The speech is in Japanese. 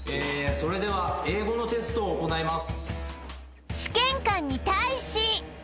それでは英語のテストを行います